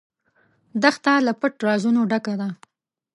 دښته له پټ رازونو ډکه ده.